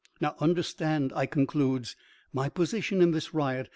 "Now, understand," I concludes, "my position in this riot.